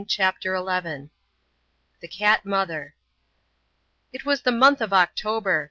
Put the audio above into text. CHAPTER ELEVEN THE CAT MOTHER It was the month of October.